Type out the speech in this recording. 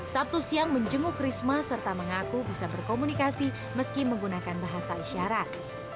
sabtu siang menjenguk risma serta mengaku bisa berkomunikasi meski menggunakan bahasa isyarat